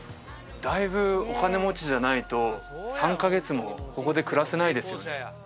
だいぶお金持ちじゃないと３カ月もここで暮らせないですよね